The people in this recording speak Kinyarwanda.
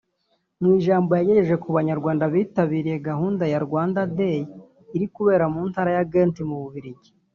Mu ijambo yagezaga ku Banyarwanda bitabiriye gahunda ya Rwanda Day iri kubera mu Ntara ya Ghent mu Bubiligi